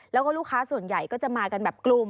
แล้วก็ลูกค้าส่วนใหญ่ก็จะมากันแบบกลุ่ม